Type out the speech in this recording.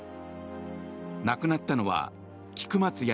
亡くなったのは菊松安